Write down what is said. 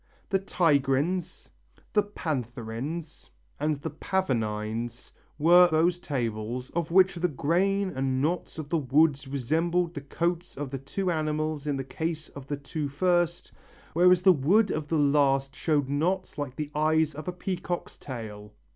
The tigrines, the pantherines and the pavonines were those tables of which the grain and knots of the wood resembled the coats of the two animals in the case of the two first, whereas the wood of the last showed knots like the eyes of a peacock's tail.